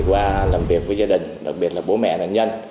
qua làm việc với gia đình đặc biệt là bố mẹ nạn nhân